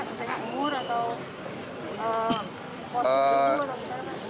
misalnya umur atau posisional misalnya pak